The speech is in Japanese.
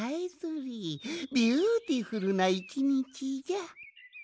ビューティフルな１にちじゃ。